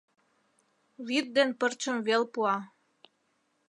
Вӱд ден пырчым вел пуа...